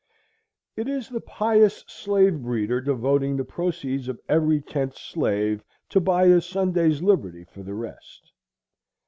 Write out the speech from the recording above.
It is the pious slave breeder devoting the proceeds of every tenth slave to buy a Sunday's liberty for the rest.